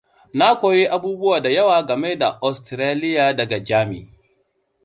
Na koyi abubuwa da yawa game da Ostiraliya daga Jami.